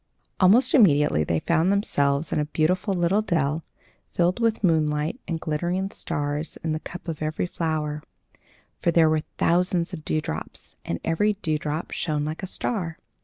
Almost immediately they found themselves in a beautiful little dell, filled with moonlight, and with glittering stars in the cup of every flower; for there were thousands of dewdrops, and every dewdrop shone like a star.